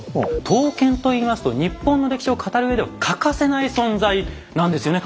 刀剣といいますと日本の歴史を語る上では欠かせない存在なんですよね？